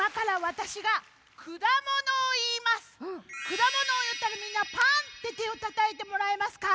くだものをいったらみんな「パン！」っててをたたいてもらえますか？